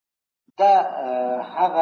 زه ادب کوم.